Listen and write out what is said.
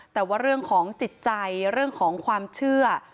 แต่ว่าเรื่องของจิตใจเรื่องของความเชื่อ